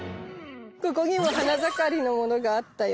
ここにも花盛りのものがあったよ。